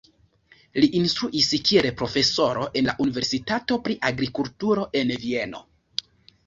Li instruis kiel profesoro en la Universitato pri agrikulturo en Vieno.